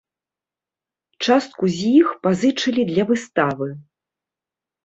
Частку з іх пазычылі для выставы.